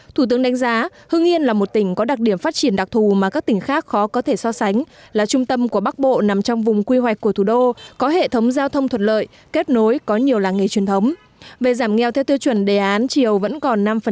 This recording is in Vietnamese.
thủ tướng đánh giá hưng yên là một tỉnh có đặc điểm phát triển đặc thù mà các tỉnh khác khó có thể so sánh là trung tâm của bắc bộ nằm trong vùng quy hoạch của thủ đô có hệ thống giao thông thuật lợi kết nối có nhiều làng nghề truyền thống